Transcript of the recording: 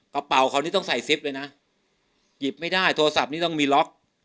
กระเป๋าเขานี่ต้องใส่ซิปเลยนะหยิบไม่ได้โทรศัพท์นี้ต้องมีล็อก